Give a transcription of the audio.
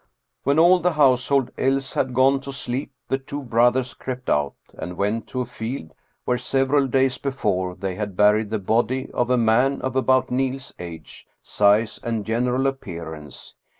When all the household else had gone to sleep the two brothers crept out, and went to a field where several days before they had buried the body of a man of about Niel's age, size, and general appearance.